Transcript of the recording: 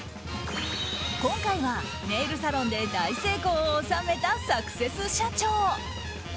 今回は、ネイルサロンで大成功を収めたサクセス社長。